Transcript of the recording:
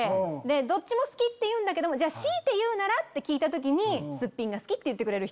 どっちも好きって言うんだけど強いて言うならって聞いた時にすっぴんが好きと言ってくれる人。